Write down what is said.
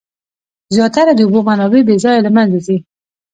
زیاتره د اوبو منابع بې ځایه له منځه ځي.